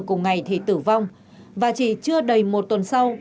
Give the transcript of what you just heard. cùng ngày thì tử vong và chỉ chưa đầy một tuần sau